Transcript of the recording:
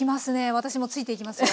私もついていきますよ。